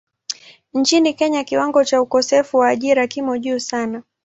Nchini Kenya kiwango cha ukosefu wa ajira kimo juu sana.